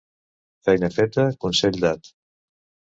Feina feta, consell dat.